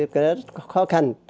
cái đó rất là khó khăn